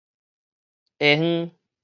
下昏